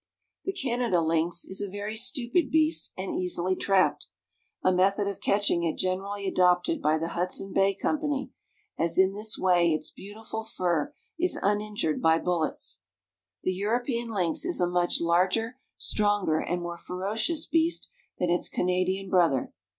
The Canada lynx is a very stupid beast, and easily trapped a method of catching it generally adopted by the Hudson Bay Company, as in this way its beautiful fur is uninjured by bullets. The European lynx is a much larger, stronger, and more ferocious beast than its Canadian brother.